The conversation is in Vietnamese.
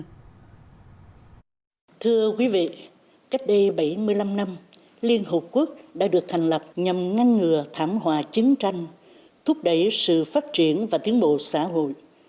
thưa quý vị cách đây bảy mươi năm năm liên hợp quốc đã được thành lập nhằm ngăn ngừa thảm hòa chiến tranh thúc đẩy sự phát triển và tiến bộ xã hội